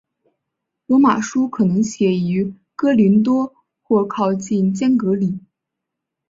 罗马书可能写于哥林多或靠近坚革哩。